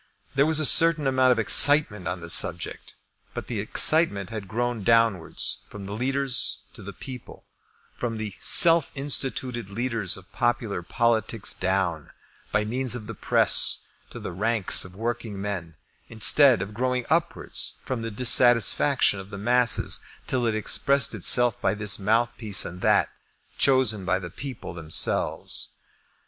There was a certain amount of excitement on the subject; but the excitement had grown downwards, from the leaders to the people, from the self instituted leaders of popular politics down, by means of the press, to the ranks of working men, instead of growing upwards, from the dissatisfaction of the masses, till it expressed itself by this mouthpiece and that, chosen by the people themselves.